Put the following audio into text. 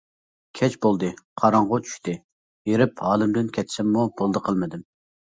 كەچ بولدى، قاراڭغۇ چۈشتى، ھېرىپ ھالىمدىن كەتسەممۇ بولدى قىلمىدىم.